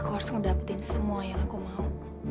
aku harus ngedapetin semua yang aku mau